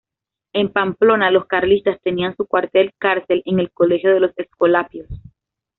En Pamplona los carlistas tenían su cuartel-cárcel en el colegio de los Escolapios.